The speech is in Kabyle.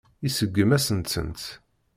Iseggem-asen-tent.